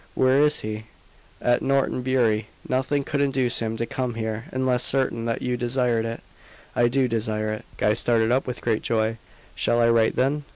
"Where is he?" "At Norton Bury. Nothing could induce him to come here, unless certain that you desired it." "I do desire it." Guy started up with great joy. "Shall I write, then?"